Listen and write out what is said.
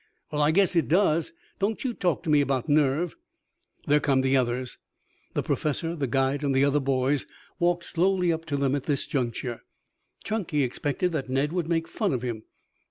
Well, I guess it does. Don't you talk to me about nerve." "There come the others." The Professor, the guide and the other boys walked slowly up to them at this juncture. Chunky expected that Ned would make fun of him.